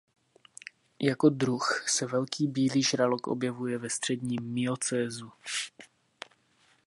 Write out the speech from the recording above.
Jako druh se velký bílý žralok objevuje ve středním miocénu.